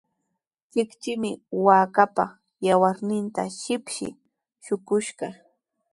Chikchimi waakaapa yawarninta shipshi shuqushqa.